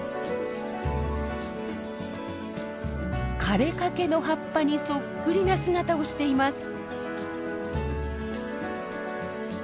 枯れかけの葉っぱにそっくりな姿をしています。